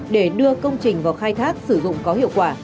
để đưa công trình vào khai thác sử dụng có hiệu quả